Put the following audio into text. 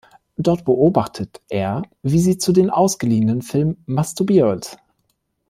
Dort beobachtet er, wie sie zu den ausgeliehenen Filmen masturbiert.